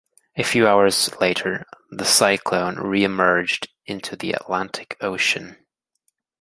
A few hours later, the cyclone reemerged into the Atlantic Ocean.